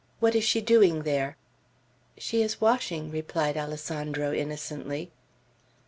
What is she doing there?" "She is washing," replied Alessandro, innocently.